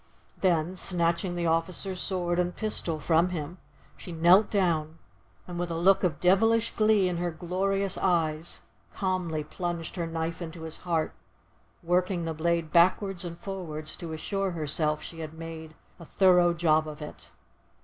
Then, snatching the officer's sword and pistol from him, she knelt down, and, with a look of devilish glee in her glorious eyes, calmly plunged her knife into his heart, working the blade backwards and forwards to assure herself she had made a thorough job of it.